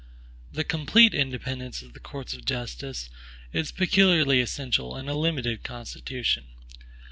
The complete independence of the courts of justice is peculiarly essential in a limited Constitution.